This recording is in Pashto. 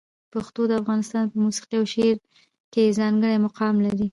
پښتو د افغانستان په موسیقي او شعر کې ځانګړی مقام لري.